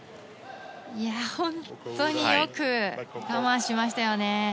本当によく我慢しましたよね。